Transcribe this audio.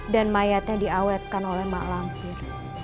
dan mayatnya diawetkan oleh mak lampir